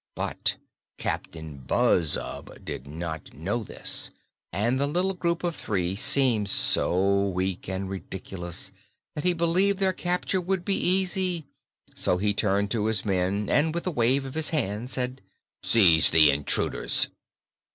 But Captain Buzzub did not know this, and the little group of three seemed so weak and ridiculous that he believed their capture would be easy. So he turned to his men and with a wave of his hand said: "Seize the intruders!"